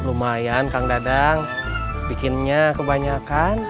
lumayan kang dadang bikinnya kebanyakan